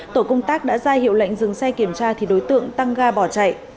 tổ công tác đã ra hiệu lệnh dừng xe kiểm tra thì đối tượng tăng ga bỏ chạy